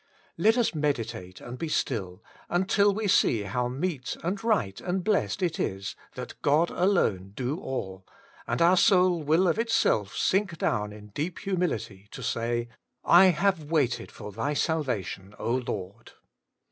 Let us meditate and be still, until we see how meet and right and blessed it is that God alone do all, and our soul will of itself sink down in deep humility to say :* I have waited for Thy salva tion, Lord.'